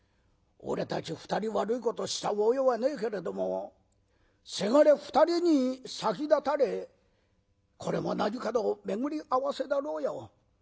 俺たち２人悪いことした覚えはねえけれどもせがれ２人に先立たれこれも何かの巡り合わせだろうよ。